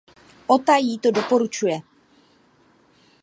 Ota jí to doporučuje.